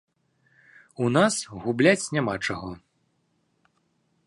У нас губляць няма чаго.